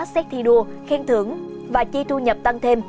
xét thi đua khen thưởng và chi thu nhập tăng thêm